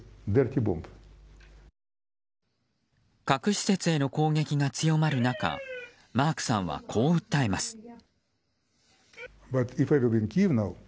核施設への攻撃が強まる中マークさんはこう訴えます。